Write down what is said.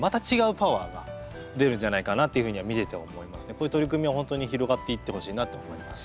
こういう取り組みは本当に広がっていってほしいなと思います。